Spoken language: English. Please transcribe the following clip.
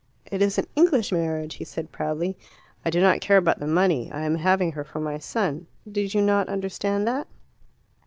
"It is an English marriage," he said proudly. "I do not care about the money. I am having her for my son. Did you not understand that?"